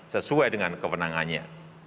sesuai dengan kewenangannya